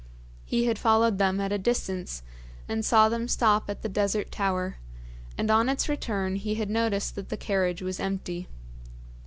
He had followed them at a distance, and saw them stop at the Desert Tower, and on its return he noticed that the carriage was empty.